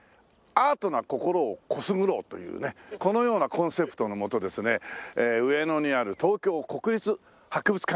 アートな心をくすぐろうというねこのようなコンセプトのもとですね上野にある東京国立博物館にやって来てますね。